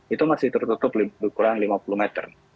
itu masih tertutup lebih kurang lima puluh meter